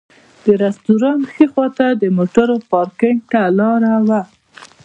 د رسټورانټ ښي خواته د موټرو پارکېنګ ته لاره وه.